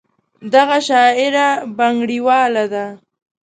دغه شاعره بنګړیواله ده.